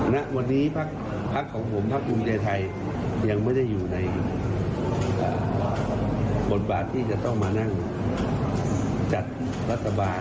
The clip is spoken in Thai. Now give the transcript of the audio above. ณวันนี้พักของผมพักภูมิใจไทยยังไม่ได้อยู่ในบทบาทที่จะต้องมานั่งจัดรัฐบาล